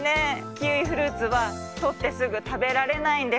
キウイフルーツはとってすぐたべられないんです。